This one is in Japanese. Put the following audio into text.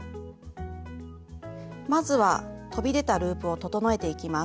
まずは飛び出たループを整えていきます。